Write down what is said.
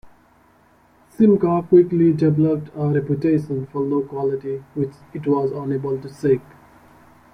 Simca quickly developed a reputation for low quality which it was unable to shake.